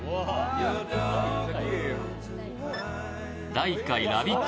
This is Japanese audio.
第１回ラヴィット！